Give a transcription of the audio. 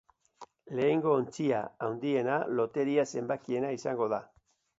Lehengo ontzia, handiena, loteria zenbakiena izango da.